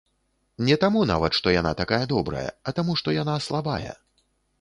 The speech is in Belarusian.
Не таму нават, што яна такая добрая, а таму, што яна слабая.